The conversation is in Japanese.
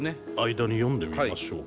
間に読んでみましょうか。